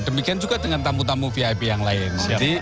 demikian juga dengan tamu tamu vip yang lain